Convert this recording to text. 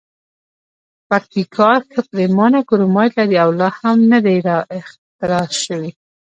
پکتیکا ښه پریمانه کرومایټ لري او لا هم ندي را اختسراج شوي.